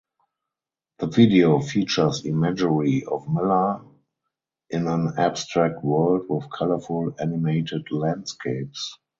The video features imagery of Miller in an abstract world with colorful animated landscapes.